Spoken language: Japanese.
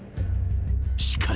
［しかし］